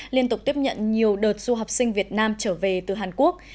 liên tục tiếp nhận nhiều đợt du học sinh việt nam trở về từ hàn quốc